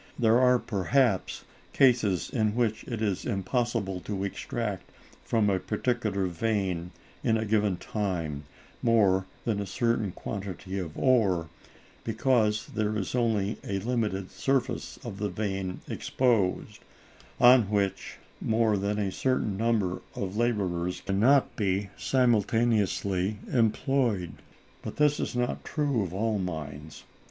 There are, perhaps, cases in which it is impossible to extract from a particular vein, in a given time, more than a certain quantity of ore, because there is only a limited surface of the vein exposed, on which more than a certain number of laborers can not be simultaneously employed. But this is not true of all mines.